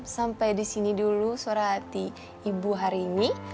sampai disini dulu suara hati ibu hari ini